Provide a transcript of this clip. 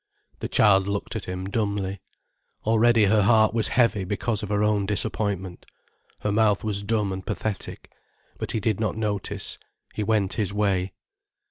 The child looked at him dumbly. Already her heart was heavy because of her own disappointment. Her mouth was dumb and pathetic. But he did not notice, he went his way.